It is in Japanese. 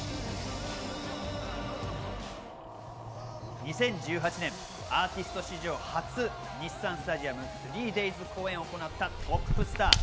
２０１８年、アーティスト史上初、日産スタジアム３ｄａｙｓ公演を行ったトップスター。